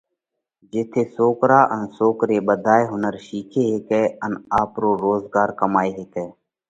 جيٿئہ سوڪرا ان سوڪري ٻڌوئي هُنر شِيکي هيڪئہ ان آپرو روزڳار ڪمائي هيڪئہ۔